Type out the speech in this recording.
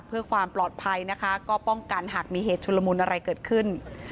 เพื่อความปลอดภัยนะคะก็ป้องกันหากมีเหตุชุลมุนอะไรเกิดขึ้น